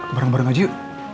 bareng bareng aja yuk